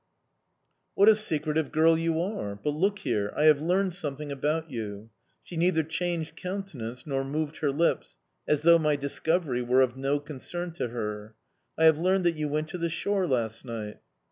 "What a secretive girl you are! But look here, I have learned something about you" she neither changed countenance nor moved her lips, as though my discovery was of no concern to her "I have learned that you went to the shore last night."